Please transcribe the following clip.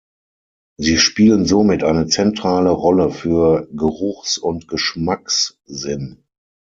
Sie spielen somit eine zentrale Rolle für Geruchs- und Geschmackssinn.